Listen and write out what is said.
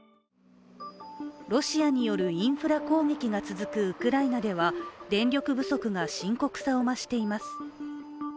ロシアによるインフラ攻撃が続くウクライナでは電力不足が深刻さを増しています。